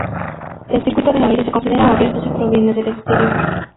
El circuito de aire se considera abierto si proviene del exterior.